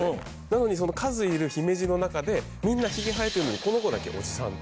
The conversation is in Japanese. なのにその数いるヒメジの中でみんなひげ生えてるのにこの子だけオジサン。